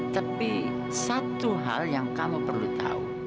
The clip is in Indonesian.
tapi satu hal yang kamu perlu tahu